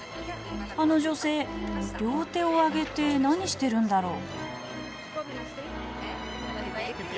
あの女性両手を上げて何してるんだろう。